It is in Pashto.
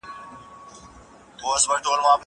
زه سبزېجات تيار کړي دي!!